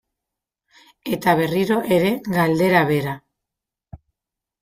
Eta berriro ere galdera bera.